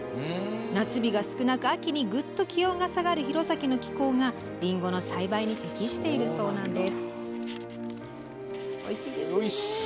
夏日が少なく秋にぐっと気温が下がる弘前の気候が、りんごの栽培に適しているそうなんです。